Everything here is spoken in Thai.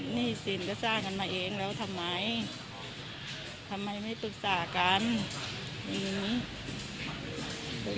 หนี้สินก็สร้างกันมาเองแล้วทำไมทำไมไม่ปรึกษากันอืม